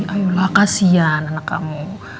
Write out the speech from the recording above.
ayolah kasihan anak kamu